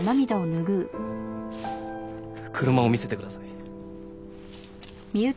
車を見せてください。